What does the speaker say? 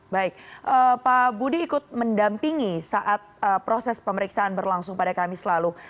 baik pak budi ikut mendampingi saat proses pemeriksaan berlangsung pada kamis lalu